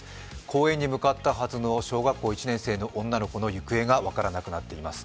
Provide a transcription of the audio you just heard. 公園に向かったはずの小学校１年生の女の子の行方が分からなくなっています。